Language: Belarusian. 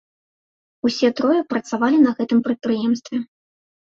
Усе трое працавалі на гэтым прадпрыемстве.